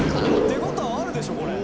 手応えあるでしょこれ。